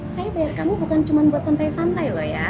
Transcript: saya biar kamu bukan cuma buat santai santai loh ya